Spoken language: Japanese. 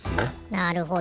なるほど。